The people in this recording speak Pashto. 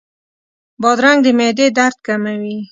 بادرنګ د معدې درد کموي.